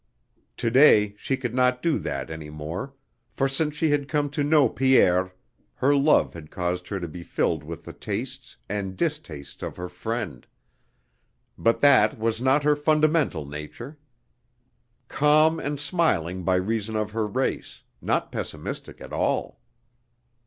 Today she could not do that any more, for since she had come to know Pierre her love had caused her to be filled with the tastes and distastes of her friend; but that was not her fundamental nature. Calm and smiling by reason of her race, not pessimistic at all.